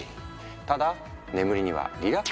ただ眠りにはリラックスも大切。